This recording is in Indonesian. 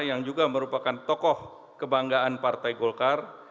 yang juga merupakan tokoh kebanggaan partai golkar